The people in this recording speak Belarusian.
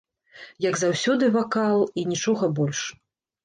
Як заўсёды вакал і нічога больш.